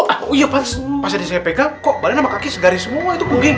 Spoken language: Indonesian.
oh iya pas pas aja saya pegang kok badan sama kaki segari semua itu buging